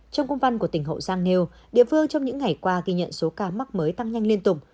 trong công văn của tỉnh hậu giang nêu địa phương trong những ngày qua ghi nhận số ca mắc mới tăng nhanh liên tục